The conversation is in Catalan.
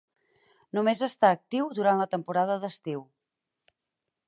Només està actiu durant la temporada d'estiu.